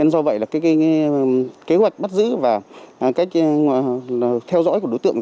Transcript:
do vậy là kế hoạch bắt giữ và cách theo dõi của đối tượng